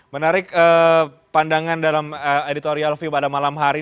menarik pandangan dalam editorial view pada malam hari